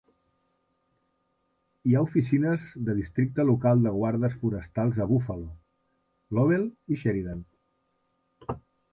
Hi ha oficines de districte local de guardes forestals a Buffalo, Lovell i Sheridan.